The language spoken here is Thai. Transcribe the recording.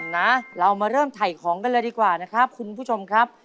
นะเรามาเริ่มถ่ายของกันเลยดีกว่านะครับคุณผู้ชมครับ